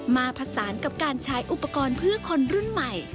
ผสานกับการใช้อุปกรณ์เพื่อคนรุ่นใหม่